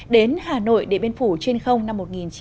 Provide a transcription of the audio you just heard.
đến hà nội địa biên phủ trên không năm một nghìn chín trăm bảy mươi hai